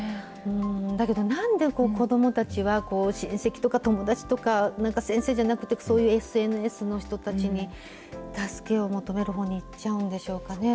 だけどなんで子どもたちは、親戚とか友達とかなんか先生じゃなくて、そういうＳＮＳの人たちに助けを求めるほうにいっちゃうんでしょ